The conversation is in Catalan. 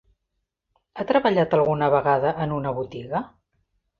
Ha treballat alguna setmana en una botiga?